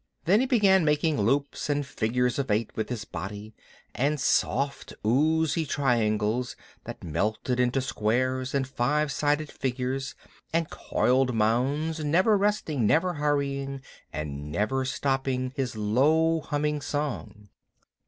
Then he began making loops and figures of eight with his body, and soft, oozy triangles that melted into squares and five sided figures, and coiled mounds, never resting, never hurrying, and never stopping his low humming song.